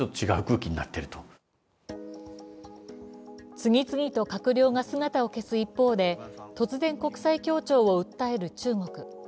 次々と閣僚が姿を消す一方で突然、国際協調を訴える中国。